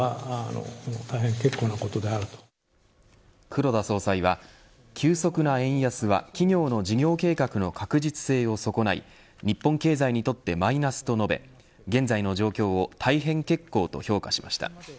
黒田総裁は急速な円安は企業の事業計画の確実性を損ない、日本経済にとってマイナスと述べ現在の状況を大変結構と評価しました。